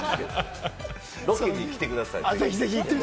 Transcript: ロケに来てください。